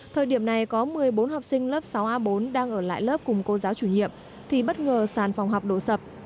thời điểm này có một mươi bốn học sinh lớp sáu a bốn đang ở lại lớp cùng cô giáo chủ nhiệm thì bất ngờ sàn phòng học đổ sập